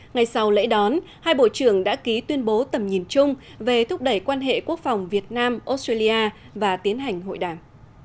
ngày sau lễ đón hai bộ trưởng đã ký tuyên bố tầm nhìn chung về thúc đẩy quan hệ quốc phòng việt nam australia và tiến hành hội đàm